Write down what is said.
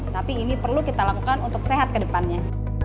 tapi ini perlu kita lakukan untuk sehat ke depannya